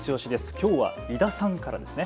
きょうは井田さんからですね。